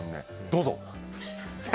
どうぞ！